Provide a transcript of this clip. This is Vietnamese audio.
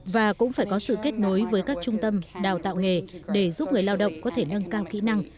và cũng phải có sự kết nối với các trung tâm đào tạo nghề để giúp người lao động có thể nâng cao kỹ năng